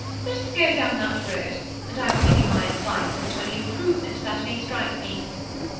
Let us go down that road, and I will give you my advice as to any im provements that may strike me.